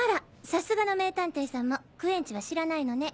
さすがの名探偵さんもクエンチは知らないのね。